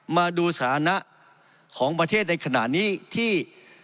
มาดูสถานะของประเทศในขณะนี้ที่